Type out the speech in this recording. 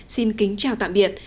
xin kính chào tạm biệt